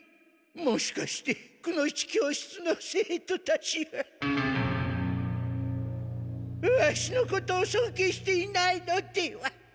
もしかしてくの一教室の生徒たちはワシのことをそんけいしていないのでは？